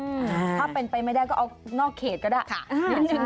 ถ้าเป็นไปไม่ได้ก็เอานอกเขตก็ได้ค่ะ